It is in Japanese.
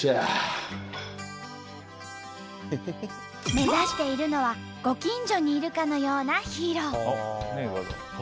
目指しているのはご近所にいるかのようなヒーロー。